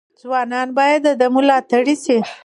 ځوانان باید د ده ملاتړي شي.